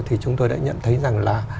thì chúng tôi đã nhận thấy rằng là